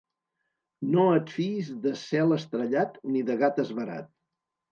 No et fiïs de cel estrellat ni de gat esverat.